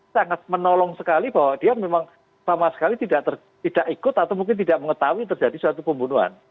sangat menolong sekali bahwa dia memang sama sekali tidak ikut atau mungkin tidak mengetahui terjadi suatu pembunuhan